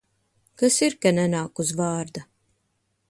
Kas ir, ka nenāk uz vārda?